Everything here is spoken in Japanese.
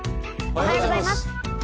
おはようございます。